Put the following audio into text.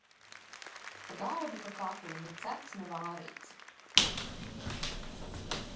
Pa galvu, pa kaklu; ne cepts, ne vārīts.